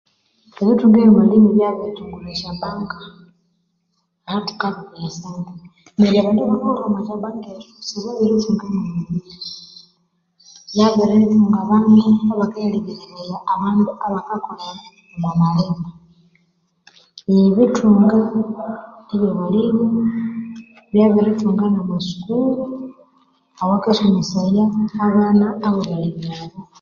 Ebithunga byabalimi byabirikyungulha esyo banga ahathukabika esyo sente neri abandu banene babirithungamo emibiri byabirithunga abandu banene abakaya lebereraya abandu abakakolha omwamalima ebithunga ebyabalimi byabirithunga namasukuru awakasomesaya abana babalimi abo